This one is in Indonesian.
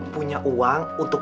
punya uang untuk